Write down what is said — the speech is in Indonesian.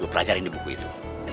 gue pelajarin di buku itu